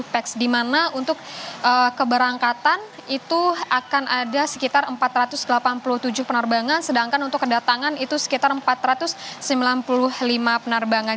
untuk keberangkatan itu akan ada sekitar empat ratus delapan puluh tujuh penerbangan sedangkan untuk kedatangan itu sekitar empat ratus sembilan puluh lima penerbangan